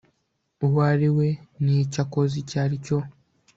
uwo ari we n icyo akoze icyo ari cyo